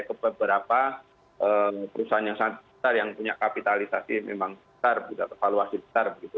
ke beberapa perusahaan yang sangat besar yang punya kapitalisasi memang besar punya valuasi besar begitu